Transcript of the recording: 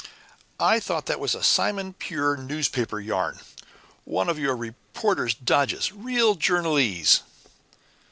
I thought that was a simon pure newspaper yarn one of your reporter's dodges real journalese!"